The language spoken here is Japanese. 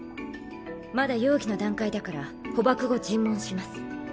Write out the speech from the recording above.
まだ容疑の段階だから捕縛後尋問します。